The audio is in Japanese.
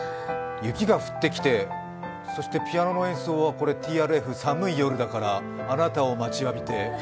雪が降ってきてそしてピアノの演奏はＴＲＦ寒い夜だからあなたを待ちわびて。